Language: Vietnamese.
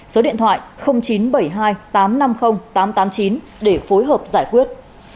số điện thoại chín trăm bảy mươi hai tám trăm năm mươi tám trăm tám mươi chín để phối hợp giải quyết